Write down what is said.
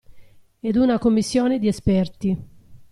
Ed una commissione di esperti.